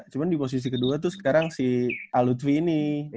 cuma di posisi kedua tuh sekarang si alutfi ini